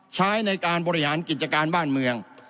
ใช้ในการบริหารกิจการบ้านเมือง